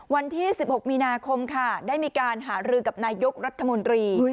วันที่๑๖มีนาคมค่ะได้มีการหารือกับนายกรัฐมนตรี